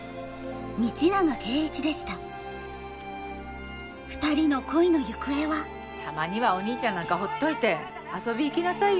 道永圭一でしたたまにはお兄ちゃんなんかほっといて遊び行きなさいよ。